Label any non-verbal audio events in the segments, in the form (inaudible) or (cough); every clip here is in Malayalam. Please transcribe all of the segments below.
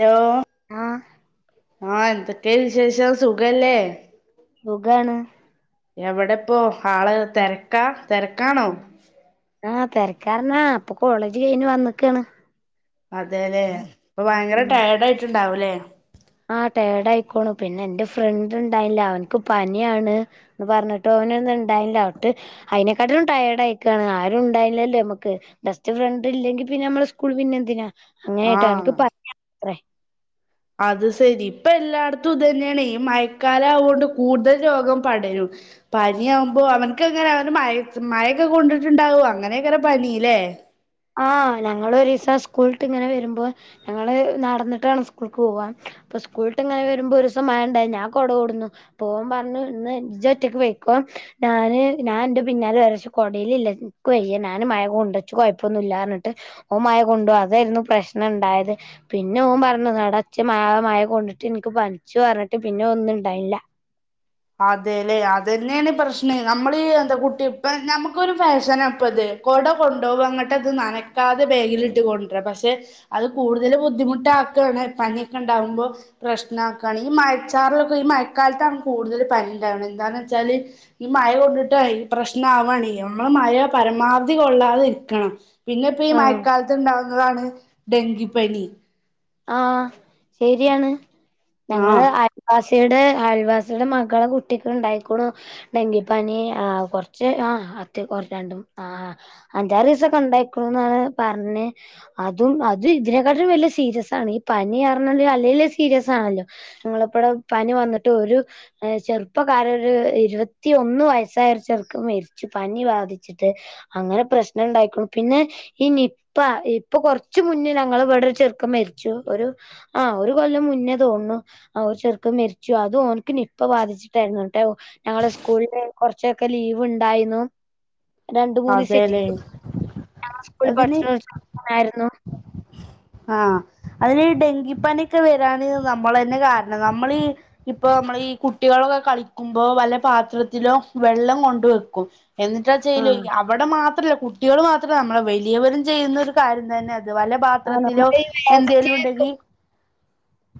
ലോ ആഹ് ആഹ് എന്തൊക്കെ വിശേഷം. സുഖല്ലേ? സുഖാണ്. എവടെപ്പൊ ആള് തെരക്കാ. തെരക്കാണൊ? ആഹ്. തെരക്കാറ്ന്നാ. പ്പൊ കോളേജ് കഴിഞ് വന്ന്ക്കാണ്. അതെലേ. പ്പൊ ഭയങ്കര ഉം ടയേർഡാ യിട്ട്ണ്ടാവും ലെ? ആഹ്. ടേർഡാ യിക്ക്ണു. പിന്നെ ൻ്റെ ഫ്രണ്ട് ണ്ടായില്ല. അവൻക്ക് പനിയാണ്. ന്ന് പർഞ്ഞിട്ട് അവന് ന്ന് ണ്ടായില്ല. അവ്ട്ട് അയ്നെക്കാട്ടിലും ടയേഡ് ആയിക്കാണ് ആരും ഉണ്ടായില്ലല്ലേ നമ്മുക്ക് ഡസ്റ്റ് ഫ്രണ്ട് ഇല്ലെങ്കിൽ പിന്നെ നമ്മള് സ്കൂൾ പിന്നെ എന്തിനാ അങ്ങനെയിട്ടാ ആഹ് എനിക്ക് പനിയാത്രേ അത് സെരി ഇപ്പ എല്ലാട്ത്തും ഇതന്നേണെയ് മഴക്കാലാവോണ്ട് കൂടുതൽ രോഗം പടരും പനി ആവുമ്പോ അവനക്ക്ങ്ങനെ അവന് മ മഴൊക്കെ കൊണ്ടിട്ടുണ്ടാവും അങ്ങനെകാരം പനില്ലേ ആഹ ഞങ്ങള് ഒരീസം സ്കൂള്ട്ട്ങ്ങനെ വരുമ്പോ ഞങ്ങള് നടന്നിട്ടാണ് സ്കൂളക്ക് പോവാ അപ്പൊ സ്കൂളിട്ട്ങ്ങനെ വരുമ്പോ ഒരൂസം മഴണ്ടായി ഞാൻ കൊടകൊടുന്നു ഓൻ പറഞ്ഞു ഇന്ന് ജോറ്റക്ക് പെയ്ക്കോ ഞാന് നാൻ അന്റെ പിന്നാലെ വര ക്ഷെ കൊടേൽ ഇല്ല ഇൻക്ക് വയ്യ നാന് മഴ കൊണ്ട് ച്ചുകൊയ പ്പൊന്നുല്ലാർഞ്ഞിട്ട് ഓൻ മഴ കൊണ്ടു അതായിരുന്നു പ്രശ്നംണ്ടായത്. പിന്നെ ഓൻ പറഞ്താട ച്ച് മാ മഴ കൊണ്ടിട്ട് ഇനിക്ക് പനിച്ചു പറഞ്ഞിട്ട് പിന്നെ ഒന്നും ഇണ്ടായില്ല അതെല്ലേ അതന്നെണ് പ്രശ്നെ നമ്മളീ എന്ത കുട്ടി പ്പനമുക്കൊരു ഫാഷനപ്പത് കൊട കൊണ്ടോവ ങ്ങട്ടത് നനക്കാതെ ബേഗിലിട്ട് കൊണ്ടരാ പക്ഷെ അത് കൂടുതൽ ബുദ്ധിമുട്ടാക്കാണ് പനിയൊക്കെ ഉണ്ടാവുമ്പോ പ്രശ്നാകാണ് ഈ മയച്ചാറിലൊക്കെ ഈ മഴക്കാലത്താണ് കൂടുതൽ പനിണ്ടാവുന്നത് എന്താന്ന് വെച്ചാല് ഈ മഴ കൊണ്ടിട്ടയ് പ്രശനാവാണെയ്യ അമ്മള് മഴ പരമാവധി കൊള്ളാതെ ഇരിക്കണം പിന്നെപ്പീ ആഹ് മഴക്കാലത്ത് ഉണ്ടാവുന്നതാണ് ഡെങ്കിപ്പനി ആഹ ശരിയാണ് ആഹ് ഞങ്ങള് ആ - വാസിടെ അയൽവാസിയുടെ മകളെ കുട്ടിക്ക് ഉണ്ടായിക്കുണു ഡെങ്കിപ്പനി ആഹ കൊറച്ച് ആഹ അത് രണ്ട് ആഹ ആഹ അഞ്ചാറീസൊക്കെ ഉണ്ടായിക്കുണുന്നാണ് പറഞ്ഞേ അതും അത് ഇതിനെക്കാട്ടിലും വല്ല്യ സീരിയസാണ് ഈ പനി അറിഞ്ഞാല് അല്ലേലും സീരിയസ് ആണല്ലോ. ങ്ങളിപ്പടെ പനി വന്നിട്ട് ഒരു ചെറുപ്പകാരൻ ഒരു ഇരുപത്തിഒന്ന് വയസ്സായ ഒരു ചെർക്കൻ മെരിച്ചു പനി ബാധിച്ച് ട്ട് അങ്ങനെ പ്രശ്നണ്ടായിക്കു പിന്നെ ഈ നിപ്പ ഇപ്പൊ കൊർച്ച് മുന്നിൽ ഞങ്ങള് ഇവിടെ ഒരു ചെറുക്കം മരിച്ചു ഒരു ആഹ ഒരു കൊല്ലം മുന്നേ തോണ്ണു ആഹ ഒരു ചെറുക്കൻ മെരിച്ചു അത് ഓൻക്ക് നിപ്പ ബാധിച്ചിട്ടായിരുന്നുട്ടെ ഞങ്ങളെ സ്കൂളില് കുറച്ചൊക്കെ ലീവ്ണ്ടായിന്നു. രണ്ട് മൂന്നീസെറ്റെ അതെല്ലേ ഞങ്ങളെ സ്കൂളിൽ പഠിച്ച്ണൊരു ചെർക്കനായിരുന്നു. ആഹ അതിന് ഡെങ്കിപ്പനിയൊക്കെ വെരാന് നമ്മളന്നെ കാരണം നമ്മളീ ഇപ്പൊ നമ്മൾ ഈ കുട്ടികളൊക്കെ കളിക്കുമ്പോ വല്ല പാത്രത്തിലോ വെള്ളം കൊണ്ട് വെക്കും എന്നിട്ടാ ചെയ്ലോയ് ആഹ് അവട മാത്രല്ല കുട്ട്യാള് മാത്രല്ല നമ്മള് വലിയവരും ചെയ്യുന്ന ഒരു കാര്യം തന്നെ അത് വല്ല ആഹ് നമ്മള് പാത്രത്തിലോ ഈ എന്തെലും വേസ്റ്റ് ഉണ്ടെങ്കി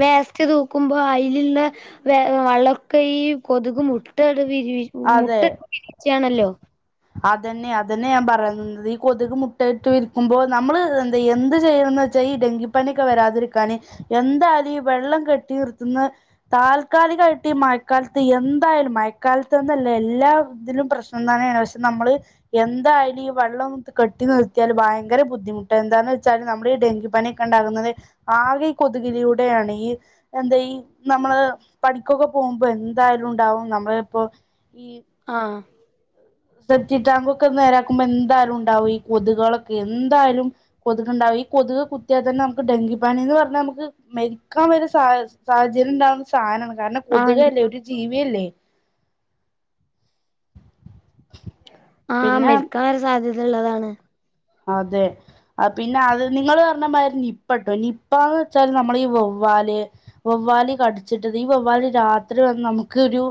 വേസ്റ്റ് തൂക്കുമ്പോ അയ്ല്ള്ള വെ വള്ളൊക്കെ ഈ കൊതുക് മുട്ടടു വിരിവി മുട്ട അതെ വിരിയിച്ചാണല്ലോ അതന്നെ അതന്നെ ഞാൻ പറയുന്നത് ഈ കൊതുക് മുട്ടയിട്ട് വിൽക്കുമ്പോൾ നമ്മള് എന്തയ്യ എന്ത് ചെയ്യുന്ന ഈ ഡെങ്കിപ്പണിയൊക്കെ വരാതിരിക്കാന് എന്തായാലും ഈ വെള്ളം കെട്ടി നിർത്തുന്ന താൽക്കാലികായിട്ട് ഈ മഴക്കാലത്ത് എന്തായാലും മഴക്കാലത്ത് ന്നല്ല എല്ലാ ഇതിലും പ്രശ്നം തന്നെയാണ് പക്ഷെ നമ്മള് എന്തായാലു ഈ വള്ളം കെട്ടി നിർത്തിയാൽ ഭയങ്കര ബുദ്ധിമുട്ട് എന്താന്ന് വെച്ചാല് നമ്മുടെ ഈ ഡെങ്കിപ്പനി ക്കണ്ടാകുന്നത് ആകെ കൊതുകിലിലൂടെയാണ് ഈ എന്താ ഈ നമ്മള് പണിക്കൊക്കെ പോവുമ്പോ എന്തായാലും ഉണ്ടാവും നമ്മളെപ്പോ ഈ ആഹ് സെപ്റ്റി ടാങ് ഒക്കെ നേരാക്കുമ്പോ എന്തായാലും ഉണ്ടാവും ഈ കൊതുകുകളൊക്കെ എന്തായാലും കൊതുക് ഉണ്ടാവും ഈ കൊതുക് കുത്തിയാൽ തന്നെ നമുക്ക് ഡെങ്കി പനി എന്ന് പറഞ്ഞാൽ നമുക്ക് വെക്കാൻ വരെ സാഹചര്യം ഉണ്ടാവുന്ന സാധനമാണ് കാരണം കൊതുക് ആഹ് അല്ലേ ഒരു ജീവിയല്ലേ ആഹ് പിന്നെ മക്കാൻ വരെ സാധ്യത ഉള്ളതാണ് അതെ ആ പിന്നെ അത് നിങ്ങള് പറഞ്ഞ മാതിരി നിപ്പട്ടോ നിപ്പാന്ന് വെച്ചാല് നമ്മളേ ഈ വവ്വാല് വവ്വാലി കടിച്ചിട്ടത് ഈ വവ്വാലി രാത്രി വന്ന് നമുക്ക് ഒരു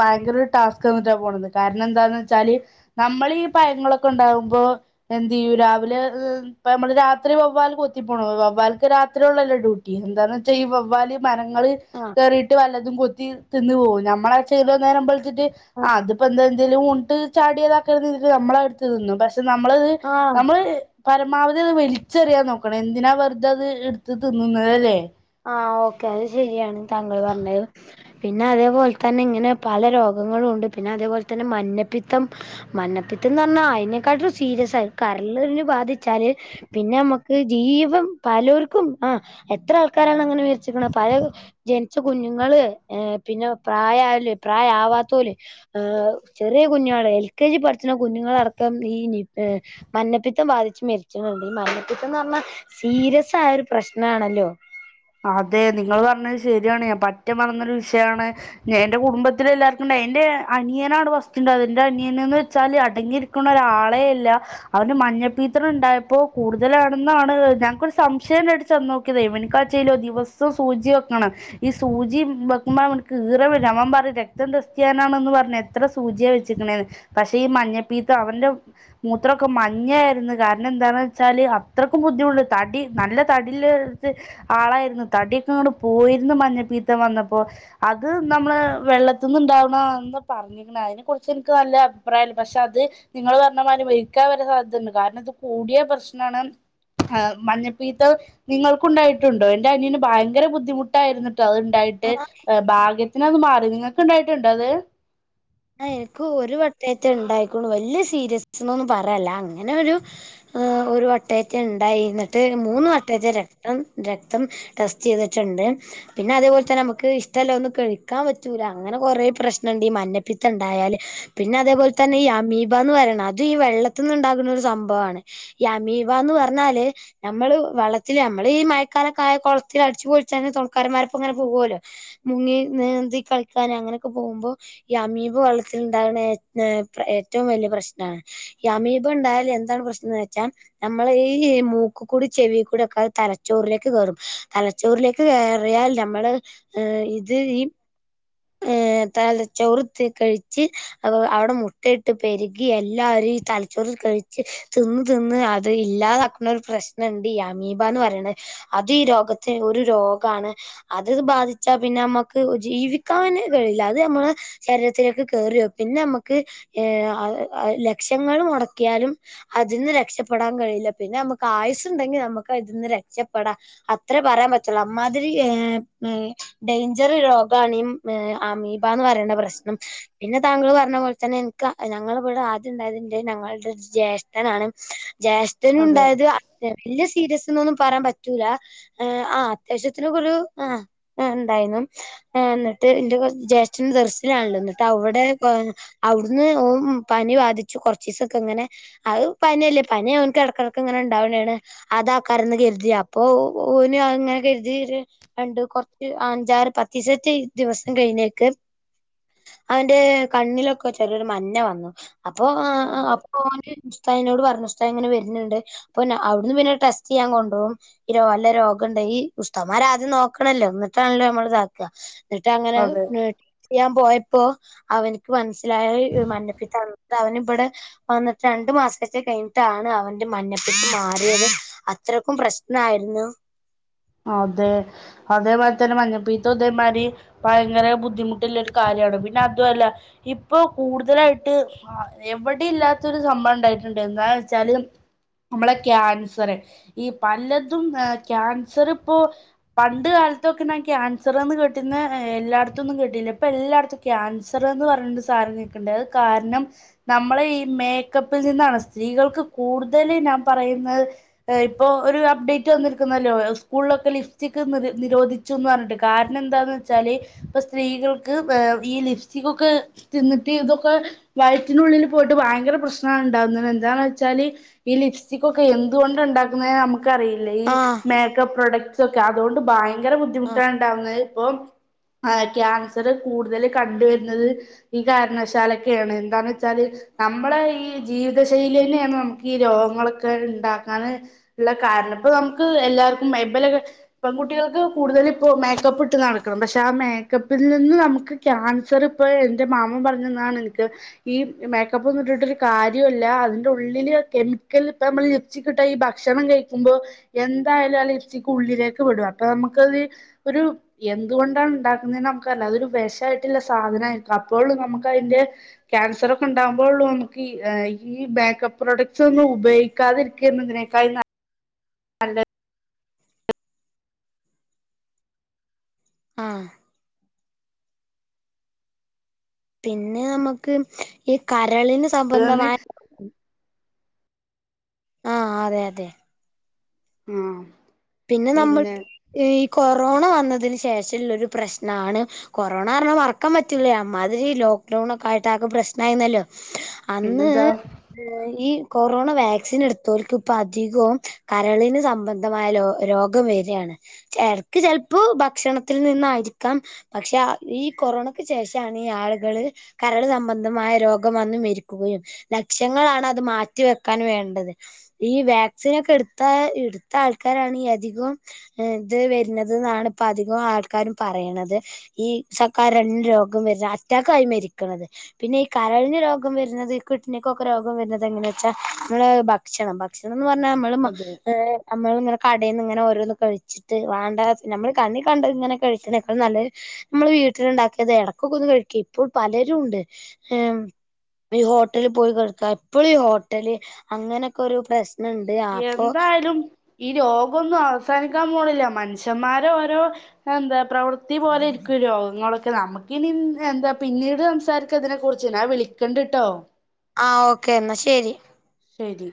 ഭയങ്കര ഒരു ടാസ്ക് തന്നിട്ടാ പോണത് കാരണം എന്താന്ന് വെച്ചാല് നമ്മൾ ഈ പയങ്ങളൊക്കെ ഉണ്ടാകുമ്പോ എന്ത് രാവിലെ ഹ് ഇപ്പ നമ്മള് രാത്രി വവ്വാല് കൊത്തി പോണു വവ്വാൽക്ക് രാത്രിയള്ളല്ലോ ഡ്യൂട്ടി എന്താന്ന് വെച്ചാ ഈ വവ്വാല് മരങ്ങള് ആഹ് കേയറിട്ട് വല്ലതും കൊത്തി തിന്നു പോവും നമ്മളെ ചില നേരം വെളുത്തിട്ട് ആ അതിപ്പോ എന്താ എന്തേലും വീണ് ചാടിയതാക്ക ഇതില് നമ്മൾ അത് എടുത്ത് തിന്നും പക്ഷെ നമ്മളത് ആഹ് ഇപ്പൊ പരമാവധി അത് വെലിച്ചെറിയാൻ നോക്കണ എന്തിനാ വെറുത അത് എടുത്ത് തിന്നുന്നത് അല്ലേ ആഹ് ഓക്കെ അത് ശരിയാണ് താങ്കൾ പറഞ്ഞത് പിന്നെ അതേപോലെ തന്നെ ഇങ്ങനെ പല രോഗങ്ങളുഉണ്ട് പിന്നെ അതേപോലെ തന്നെ മഞ്ഞപ്പിത്തം മഞ്ഞപിത്തന്ന് പറഞ്ഞാ അതിനെക്കാട്ടും സീരിയസ് ആയി കരളിന് ബാധിച്ചാല് പിന്നെ നമ്മക്ക് ജീവം പലർക്കും ആ എത്ര ആൾക്കാരാണ് അങ്ങനെ മരിച്ചിക്ക്ണേ പല ജനിച്ച കുഞ്ഞുങ്ങള് ഏ പിന്നെ പ്രായം ആയോല് പ്രായം ആവാത്തൊല് ആ ചെറിയ കുഞ്ഞുങ്ങൾ എൽ കെ ജി പഠിക്കുന്ന കുഞ്ഞുങ്ങളടക്കം ഈ മഞ്ഞപ്പിത്തം ബാധിച്ച് മരിച്ചിട്ടുണ്ട് ഈ മഞ്ഞപ്പിത്തം എന്ന് പറഞ്ഞാൽ സീരിയസ് ആയ ഒരു പ്രശ്നണല്ലോ അതെ നിങ്ങൾ പറഞ്ഞത് ശരിയാണ് ഞാൻ പറ്റമറന്നൊരു വിഷയമാണ് ഞാ എന്റെ കുടുംബത്തില എല്ലാവർക്കും ഉണ്ടായീനി എന്റെ അനിയന ആണ് ഫസ്റ്റ് ഉണ്ടായത് ന്റെ അനിയനന്ന് വെച്ചാല് അടങ്ങി ഇരിക്കുന്ന ഒരാളെഅല്ല അവന്റെ മഞ്ഞപ്പീത്തം ഉണ്ടായപ്പോ കൂടുതലാണെന്നാണ് ഞങ്ങൾക്കൊരു സംശയംണ്ടടിച്ചന്ന് നോക്കിയതാ ഇവനിക്കാ ആയ്ചെയല്ലോ ദിവസം സൂചി വെക്കണം ഈ സൂചി വെക്കുമ്പോ അവനക്ക് ഈറ വരും അവൻ പറയും രക്തം ടെസ്റ്റ്‌ ചെയ്യാനാണന്ന് പറഞ്ഞെ എത്ര സൂചിയ വെചേക്കണേന്ന് പക്ഷെ ഈ മഞ്ഞപ്പിത്തം അവന്റെ മൂത്രക്കെ മഞ്ഞ ആയിരുന്നു കാരണം എന്താന്ന് വെച്ചാല് അത്രയ്ക്കും ബുദ്ധിമുട്ട തടി നല്ല തടില്ല ആളായിരുന്നു തടിയൊക്കെ അങ്ങട് പോയിരുന്നു മഞ്ഞപ്പിത്തം വന്നപ്പോ അത് നമ്മള് വെള്ളത്തിന്ന് ഇണ്ടാവണന്ന് പറഞ്ഞു അതിനെ കുറിച്ച് എനിക്ക് നല്ല അഭിപ്രായംല്ല പക്ഷെ അത് നിങ്ങള് പറഞ്ഞ മാതിരി ഇത് മരിക്കാൻ വരെ സാധ്യതുണ്ട് കാരണം ഇത് കൂടിയ പ്രശ്നാണ് ആ മഞ്ഞപിത്തം നിങ്ങൾക്കുണ്ടാ ക്കുണ്ടോ എന്റെ അനിയന് ഭയങ്കര ബുദ്ധിമുട്ടായിരുന്നട്ട് ആ അതുണ്ടായിട്ട് ഭാഗ്യ പിന്നെ അത് മാറി നിങ്ങൾക്ക് ഉണ്ടായിട്ടുണ്ടോ അത് ആ എനിക്ക് ഒരു വട്ടയത്തെ ഉണ്ടായിക്കോളു വലിയ സീരിയസ്നസ് എന്നൊന്നും പറയല്ല അങ്ങനെ ഒരു ആ ഒരു വട്ടയത്തെ ഉണ്ടായി എന്നിട്ട് മൂന്ന് വട്ടയത്തെ രക്തം രക്തം ടെസ്റ്റ് ചെയ്തിട്ടുണ്ട് പിന്നെ അതേപോലെതന്നെ നമുക്ക് ഇഷ്ടല്ല ഒന്നും കഴിക്കാൻ പറ്റൂല അങ്ങനെ കൊറെ പ്രശ്നുണ്ട് ഈ മഞ്ഞ മഞ്ഞപ്പിത്തണ്ടായാല് പിന്നെ അതേപോലെ തന്നെ ഈ അമീബന്ന് പറയണം അത് ഈ വെള്ളത്തിന്നുണ്ടാകുന്ന ഒരു സംഭവമാണ് ഈ അമീബാന്ന് പറഞ്ഞാല് നമ്മള് വള്ളത്തില് നമ്മള് ഈ മയക്കാലക്കായ കുളത്തിൽ അടിച്ചു പൊളിച്ചന്നെ തുണക്കാരന്മാർപ്പോ അങ്ങനെ പോകുവല്ലോ മുങ്ങി നീന്തി കളിക്കാൻ ഞങ്ങളൊക്കെ പോമ്പോ ഈ അമീബ വെള്ളത്തില്ണ്ടാക്ണെ ഏ ഏ ഏറ്റവും വെല്യ പ്രശ്നാണ് ഈ അമീബണ്ടായൽ എന്താണ് പ്രശ്നംന്ന് വെച്ചാൽ നമ്മളെ ഈ മൂക്ക് കൂടി ചെവി കൂടിയൊക്കെ അത് തലച്ചോറിലേക്ക് കേറും തല ചോറിലേക്ക് കയറിയാൽ നമ്മള് ഇത് ഈ ഏ തലച്ചോറ് കഴിച്ച് അവടെ മുട്ടയിട്ട് പെരുകി എല്ലാരും തലച്ചോറ് കഴിച്ച് തിന്ന് തിന്ന് അത് ഇല്ലാതാക്ക്ണ ഒരു പ്രശ്നണ്ട് ഈ അമീബാന്ന് പറയ്ണെ അത് ഈ രോഗത്തെ ഒരു രോഗാണ് അത് ത് ബാധിച്ചാ പിന്നമ്മക്ക് ജീവി ക്കാനെ കഴിയില്ല അത് ഞമ്മളെ ശരീരത്തിലേക്ക് കേറിയോ പിന്നമ്മക്ക് ഏഹ് അത് അത് ലക്ഷങ്ങൾ മൊടക്യാലും അതിന്ന് രക്ഷപ്പെടാൻ കഴിയില്ല പിന്നമ്മക്ക് ആയുസുണ്ടെങ്കി നമ്മക്ക് അതിൽന്ന് രക്ഷപ്പെടാ അത്രേ പറയാൻ പറ്റൊള്ളു അമ്മാതിരി എ എ ഡെയ്ഞ്ചറ് രോഗാണ് ഈ ഏ അമീബാന്ന് പറയ്ണ പ്രശ്നം പിന്നെ താങ്കള് പർഞ്ഞ പോലെ തെന്നെ ഇൻക്ക് ഞങ്ങള് ഇവടെ ആദ്യംണ്ടായതിന്റെ ന്റേം ഞങ്ങൾടെ ഒരു ജ്യേഷ് ട്ടനാണ് ജ്യേഷ്ഠനും അതെ ണ്ടായത് വെല്യ സീരിയസ്ന്നൊന്നും പറയാൻ പറ്റൂല എ ആഹ് അത്യാവശ്യത്തിനൊക്കൊരു ആഹ് ആഹ് ണ്ടായിനു ആഹ് ന്ന് ട്ട് ഇന്റെക്കൊരു ജേഷ്ഠന് ദർസിലാണ്ള്ളത് ന്ന്ട്ടവടെ അവ്ട്ന്ന് ഓം പനി ബാധിച്ചു കൊർച്ചിസൊക്കെങ്ങനെ അത് പനി അല്ലേ പനി അവൻക്ക് എടക്കെടക്ക് ങ്ങനെ ണ്ടാവ്ണെണ് അതേക്കാരം ന്ന് കെര്തി അപ്പൊ ഓന് അതങ്ങനെ കെര്തി ഒര് രണ്ട് കൊർച്ച് അഞ്ചാറ് പത്തിസത്തെറ്റേ ദിവസം കഴിഞ്ഞേൽക്ക് അവന്റെ കണ്ണിലൊക്കെ ചെറിയൊരു മഞ്ഞ വന്നു അപ്പൊ ആഹ് അതെ അപ്പൊ ഓന് ഉസ്ദാതിനോട് പറഞ്ഞു ഉസ്താ ങ്ങനെ വെര്ണ് ണ്ട് അപ്പൊ പിന്നെ അവട്ന്ന് പിന്നെ ടെസ്റ്റെയ്യാൻ കൊണ്ടോവും ഇ വല്ല രോഗണ്ടെങ്കി ഉസ്താമാര് ആദ്യം നോക്കണല്ലോ ന്ന്ട്ടാണല്ലോ നമ്മള് താക്ക ന്ന്ട്ടങ്ങനെ അതെ ബ്ല (unintelligible) യ്യാൻ പോയപ്പോ അവൻക്ക് മൻസ് സിലായി മഞ്ഞപ്പിത്താന്ന് ന്ന്ട്ടവന് വടെ വന്ന്ട്ട് രണ്ടു മാസേറ്റെ കയ്ഞ്ട്ടാണ് അവന്റെ മഞ്ഞപ്പിത്തം മാറ്യേത് അത്രക്കും പ്രശ്നായിരുന്നു അതെ അതേ മാതിരി തെന്നെ മഞ്ഞപ്പിത്തവും തേമാരി ഭയങ്കര ബുദ്ധിമുട്ട്ല്ലെ ഒരു കാര്യാണ് പിന്നെ അതു അല്ല ഇപ്പൊ കൂടുതലായിട്ട് ആഹ് എവടിം ഇല്ലാത്തൊരു സംഭവം ണ്ടായിട്ട്ണ്ട് എന്താന്ന് വെച്ചാല് നമ്മളെ ക്യാൻസറ് ഈ പലതും എ ക്യാൻസറ് പ്പോ പണ്ട് കാലത്തൊക്കെ ഞാൻ ക്യാൻസർന്ന് കേട്ടീന്നെ എല്ലാട്ത്തൊന്നും കേട്ടില്ല ഇപ്പെല്ലാട്ത്തും ക്യാൻസറ്ന്ന് പർഞ്ഞോണ്ടൊരു സാനം നിക്ക്ണ്ട് അത് കാരണം നമ്മളെ ഈ മേക്കപ്പിൽ നിന്നാണ് സ്ത്രീകൾക്ക് കൂടുതല് ഞാൻ പറയുന്നത് എ ഇപ്പോ ഒരു അപ്ഡേറ്റ് വന്ന്ര്ക്ക്ന്നല്ലോ സ് കൂളിലൊക്കെ ലിഫ്റ്റിക്ക് നി നിരോധിച്ചുന്ന് പർഞ്ട്ട് കാരണം എന്താന്ന് വെച്ചാല് ഇപ്പൊ സ്ത്രീകൾക്ക് എ ഈ ലിഫ്റ്റിക്കൊക്കെ തിന്ന്ട്ട് ഇതൊക്കെ വയറ്റിനുള്ളില് പോയിട്ട് വയങ്കര പ്രശ്നാണ് ണ്ടാവുന്നത് എന്താന്ന് വെച്ചാല് ഈ ലിഫ്റ്റിക്കൊക്കെ എന്തുകൊണ്ടാണ്ടാക്കുന്നെ നമുക്കറിയില്ല ഈ ആഹ് മേ ക്കപ്പ് പ്രൊഡക്ട്സൊക്കെ അതോണ്ട് ഭയങ്കര ആഹ് ബുദ്ധിമുട്ടാ ണ്ടാവുന്നത് ഇപ്പം ആഹ് ക്യാൻസറ് കൂടുതല് കണ്ടു വെരുന്നത് ഈ കാരണവശാലക്കെണ് എന്താന്ന്ച്ചാല് നമ്മളെ ഈ ജീവിത ശൈലിന്നെണ് നമുക്കീ രോഗങ്ങളൊക്കെ ണ്ടാക്കാന് ഇള്ള കാരണം ഇപ്പൊ നമുക്ക് എല്ലാവർക്കും ഉം ഇബലക്കെ പെൺ കുട്ടികൾക്ക് കൂടുതലിപ്പോ മേക്കപ്പ് ഇട്ട് നടക്കണം പക്ഷെ ആ മേക്കപ്പിൽ നിന്ന് നമുക്ക് ക്യാൻസർ ഇപ്പയെ എന്റെ മാമൻ പറഞ് തന്നാതാണ് എനിക്ക് ഈ മേക്കപ്പ് ഒന്നും ഇട്ടിട്ടൊരു കാര്യൂല്ല അതിന്റെ ഉള്ളില് കെമിക്കൽ ഇപ്പൊ നമ്മൾ ലി ലിപ്സ്റ്റിക്കിട്ട് ഈ ഭക്ഷണം കഴിക്കുമ്പോ എന്തായാലും ആ ലിപ്സ്റ്റിക്ക് ഉള്ളിലേക്ക് വിടും അപ്പൊ നമുക്കത് ഒരു എന്തുകൊണ്ടാണ് ഇണ്ടാക്കുന്നേന്ന് നമുക്കറിയില്ല അതൊരു വെഷായിട്ടില്ല സാധന അപ്പോളും നമുക്കതിന്റെ ക്യാൻസർ ഒക്കെ ഇണ്ടാവുമ്പോളൊള്ളൂ നമുക്ക് ഈ മേക്കപ്പ് പ്രൊഡക്റ്റ്സ് ഒന്നും ഉപയോഗിക്ക ക്കാതിരിക്കേരുന്നു ഇതിനേക്കാളും നല്ലത് ആഹ് പിന്നെ നമുക്ക് ഈ കരളിന് നല്ലതെന്ന് സംബന്ധമായ ആഹ് അതെ അതെ ആഹ് പിന്നെ നമ്മൾക്ക് ഈ കൊറോണ വന്നതിന് ശേഷമുള്ള ഒരു പ്രശ്നാണ് കൊറോണ പറഞ്ഞാ മറക്കാൻ പറ്റൂല അമ്മാതിരി ലോക്ക്ഡൌൺ ഒക്കെ ആയിട്ട് ആകെ പ്രശ്നായിന്നല്ലോ? അന്ന് പിന്നെന്താ ഏഹ് ഈ കൊറോണ വാക്സിൻ എടുത്തോൽക് ഇപ്പൊ അധികവും കരളിന് സംബന്ധമായാ രോഗ രോഗം വെരാണ് ചെലർക്ക് ചെലപ്പോ ഭക്ഷണത്തിൽ നിന്നായിരിക്കാം പക്ഷെ ഈ കൊറോണക്ക് ശേഷാണ് ഈ ആളുകള് കരള് സംബന്ധമായ രോഗം വന്ന് മരിക്കുകയും ലക്ഷങ്ങളാണ് അത് മാറ്റി വെക്കാൻ വേണ്ടത് ഈ വാക്സിനൊക്കെ ഇട്ത്ത ഇട്ത്താൾക്കാരാണ് ഏറ്റ അധികും ഏഹ് ഇത് വരുന്നത് ഇന്നാണ്പ്പ അധികം ആൾക്കാരും പറയിണത് ഈ കരൾന് രോഗം വരുന്നത് അറ്റാക്കായി മരിക്ക്ണത് പിന്നെ ഈ കരളിന് രോഗം വരുന്നത് കിഡ്നിക്കൊക്കെ രോഗം വരുന്നത് എങ്ങനെച്ചാ നമ്മള് ഭ ക്ഷണം ഭക്ഷണംന്ന് പറഞ്ഞാ നമ്മള് മ അതെ നമ്മള്ങ്ങനെ ക ടേന്ന്ങ്ങനെ ഓരോന്ന് കഴിച്ചിട്ട് വാണ്ടാത്ത നമ്മള് കണ്ണീ കണ്ടത്ങ്ങനെ കഴിക്ക്ണേക്കാൾ നല്ലത് നമ്മള് വീട്ടിലുണ്ടാക്കിയത് ഇടക്കൊക്കെന്ന് കഴിക്ക ഇപ്പോൾ പലരും ഉണ്ട് ഈ ഹോട്ടല് പോയി കഴ്ക്ക എപ്പളും ഈ ഹോട്ടല് അങ്ങനക്കെരു പ്രശ്നണ്ട് അപ്പൊ എന്തായാലും ഈ രോഗൊന്നും അവസാനിക്കാൻ പോണില്ല മനുഷ്യന്മാരോരോ എന്താ പ്രവൃത്തി പോലെ ഇരിക്കും ഈ രോഗങ്ങളൊക്കെ നമുക്കിനി എന്താ പിന്നീട് സംസാരിക്ക ഇതിനെ കുറിച്ച് ഞാൻ വിളിക്കണ്ട്ട്ടോ? ആഹ് ഓക്കെ എന്നാ ശരി ശരി